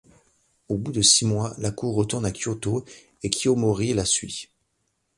Au bout de six mois, la Cour retourne à Kyoto, et Kiyomori la suit.